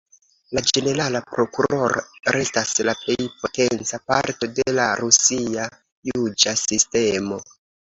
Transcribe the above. La ĝenerala prokuroro restas la plej potenca parto de la rusia juĝa sistemo.